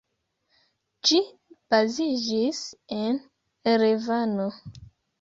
Ĝi baziĝis en Erevano.